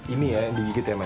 ini ya yang digigit ya mas